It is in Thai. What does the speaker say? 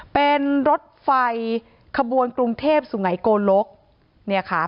เป็นรถไฟขบวนกรุงเทพสุไงโกลกเนี่ยค่ะ